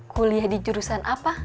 kuliah di jurusan apa